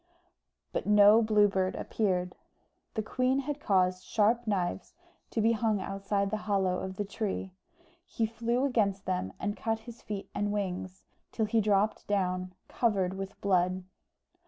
But no Blue Bird appeared. The queen had caused sharp knives to be hung outside the hollow of the tree: he flew against them and cut his feet and wings, till he dropped down, covered with blood.